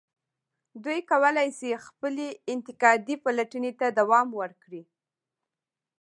دوی کولای شي خپلې انتقادي پلټنې ته دوام ورکړي.